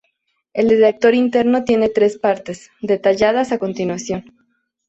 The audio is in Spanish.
El Detector Interno tiene tres partes, detalladas a continuación.